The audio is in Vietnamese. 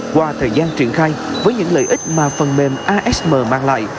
qua thời gian triển khai với những lợi ích mà phần mềm asm mang lại